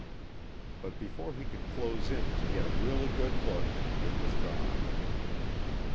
But before he could close in to get a really good look it was gone.